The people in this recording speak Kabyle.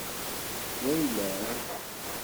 D ayla-m.